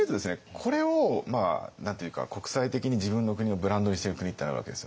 これを何て言うか国際的に自分の国をブランドにしてる国ってあるわけですよ。